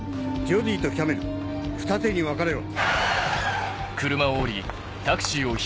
ジョディとキャメルふた手に分かれろ。